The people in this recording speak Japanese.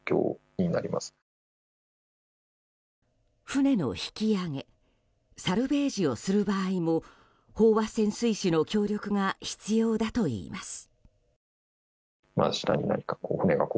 船の引き揚げサルベージをする場合も飽和潜水士の協力が必要だといいます。